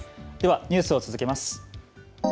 ニュースを続けます。